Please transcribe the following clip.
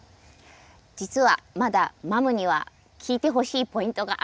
実はまだマムには聞いてほしいポイントがあるんです。